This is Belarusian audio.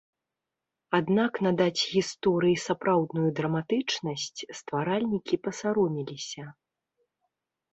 Аднак надаць гісторыі сапраўдную драматычнасць стваральнікі пасаромеліся.